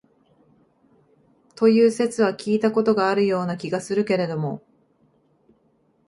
という説は聞いた事があるような気がするけれども、